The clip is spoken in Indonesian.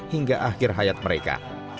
hingga akhir hayat mereka